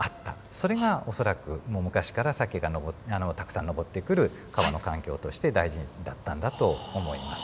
それが恐らくもう昔からサケがたくさん上ってくる川の環境として大事だったんだと思います。